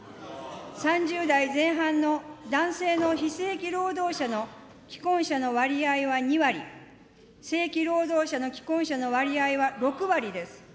３０代前半の男性の非正規労働者の既婚者の割合は２割、正規労働者の既婚者の割合は６割です。